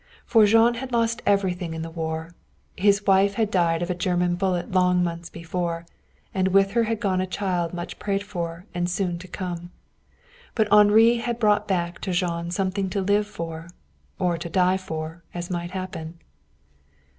For Jean had lost everything in the war. His wife had died of a German bullet long months before, and with her had gone a child much prayed for and soon to come. But Henri had brought back to Jean something to live for or to die for, as might happen.